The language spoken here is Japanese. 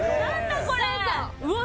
うわ